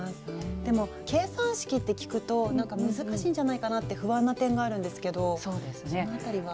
でも計算式って聞くとなんか難しいんじゃないかなって不安な点があるんですけどその辺りは。